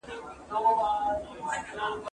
زه بايد تمرين وکړم،